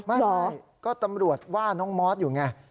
ไม่เหรอก็ตำรวจว่าน้องมอสอยู่ไง